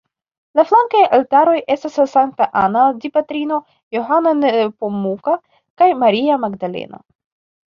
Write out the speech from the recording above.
La flankaj altaroj estas Sankta Anna, Dipatrino, Johano Nepomuka kaj Maria Magdalena.